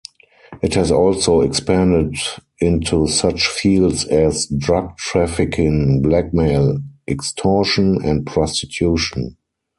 It has also expanded into such fields as drug trafficking, blackmail, extortion, and prostitution.